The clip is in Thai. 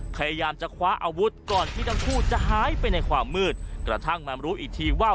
พยายามจะคว้าอาวุธก่อนที่ทั้งคู่จะหายไปในความมืดกระทั่งมารู้อีกทีว่า